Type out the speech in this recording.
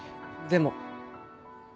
でも。